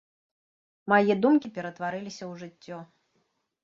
Мае думкі ператварыліся ў жыццё.